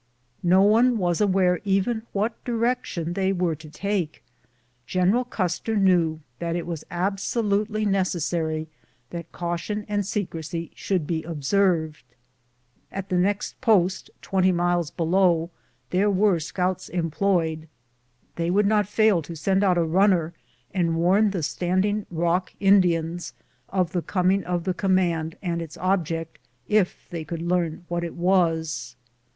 No one was aware even what direction they were to take. General Custer knew that it was absolutely necessary that caution and secrecy should be observed. At tlie next post, twenty miles below, there were scouts employed. They would not fail to send out a runner and warn the Standing Eock Indians of the coming of the command and its object, if they could learn what it was.